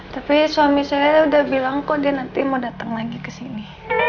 tapi suami saya udah bilang kok dia nanti mau datang lagi ke sini